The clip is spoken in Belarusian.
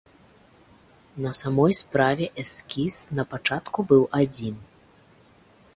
На самой справе эскіз напачатку быў адзін.